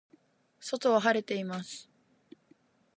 外は晴れています。